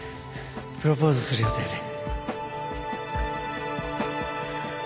プロポーズする予定で